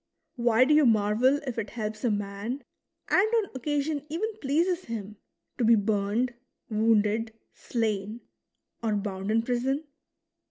Why do you marvel if it helps a man, and on occasion even pleases him, to be burned, wounded, slain, or bound in prison